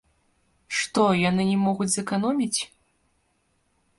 Што, яны не могуць зэканоміць?